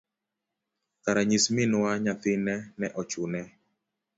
kara nyis Minwa, nyathine ne ochune.